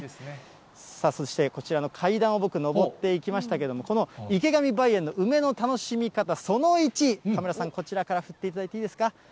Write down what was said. そして、こちらの階段を僕、登っていきましたけれども、この池上梅園の梅の楽しみ方、その１、カメラさん、こちらから振っていただいていいですか。